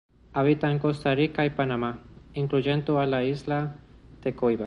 Habita en Costa Rica y Panamá, incluyendo a la isla de Coiba.